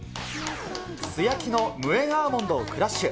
素焼きの無塩アーモンドをクラッシュ。